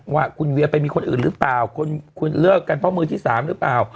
ว่าคุณเวียไปมีคนอื่นหรือเปล่าคุณเลิกกันเพราะมือที่๓หรือเปล่า